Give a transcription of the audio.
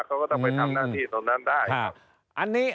เขาก็ต้องไปทำหน้าที่ตรงนั้นได้ครับ